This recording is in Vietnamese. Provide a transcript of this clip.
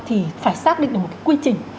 thì phải xác định được một cái quy trình